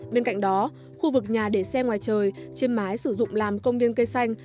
bên cạnh đó khu vực nhà để xe ngoài trời trên mái sử dụng làm công viên cây xanh